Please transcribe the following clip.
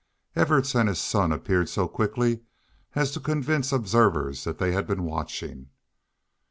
Evarts and his son appeared so quickly as to convince observers that they had been watching.